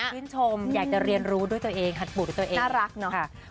อยากจะเรียนรู้ด้วยตัวเองค่ะดูด้วยตัวเอง